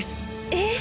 えっ？